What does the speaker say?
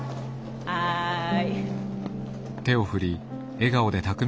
はい。